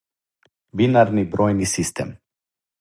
бинарни бројни систем